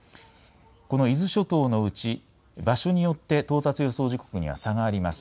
この伊豆諸島のうち場所によって到達予想時刻には差があります。